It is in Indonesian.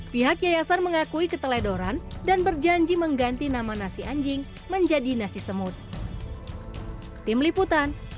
pihak yayasan mengakui keteledoran dan berjanji mengganti nama nasi anjing menjadi nasi semut